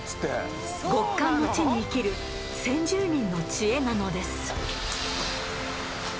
極寒の地に生きる先住民の知恵なのです。